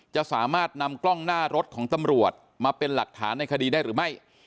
จะสามารถนำกล้องหน้ารถของตำรวจมาเป็นหลักฐานในคดีได้หรือไม่